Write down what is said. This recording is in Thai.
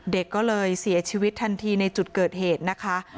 เด็กก็เลยเสียชีวิตทันทีในจุดเกิดเหตุนะคะ